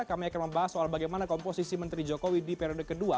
kami akan membahas soal bagaimana komposisi menteri jokowi di periode kedua